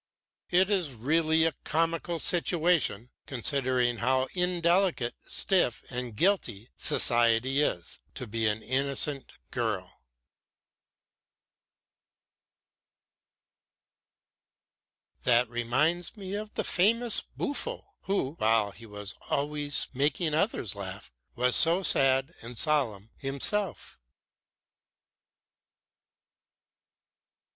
It is really a comical situation, considering how indelicate, stiff and guilty society is, to be an innocent girl." "That reminds me of the famous Buffo, who, while he was always making others laugh, was so sad and solemn himself."